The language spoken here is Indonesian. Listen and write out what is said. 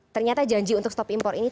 ternyata janji untuk stop impor ini